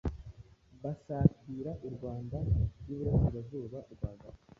basatira u Rwanda rw’i Burasirazuba rwagati